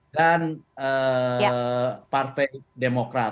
dan partai demokrat